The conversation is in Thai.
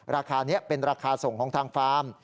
ราคานี้เป็นราคาส่งของทางฟาร์ม